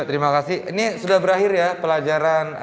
terima kasih ini sudah berakhir ya pelajaran